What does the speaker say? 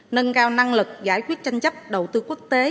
nâng cao năng lực giải quyết tranh chấp đầu tư quốc tế